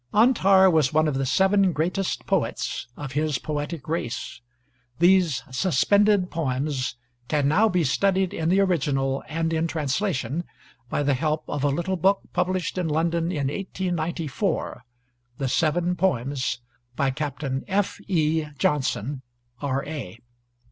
Antar was one of the seven greatest poets of his poetic race. These "suspended poems" can now be studied in the original and in translation, by the help of a little book published in London in 1894, 'The Seven Poems,' by Captain F.E. Johnson, R.A.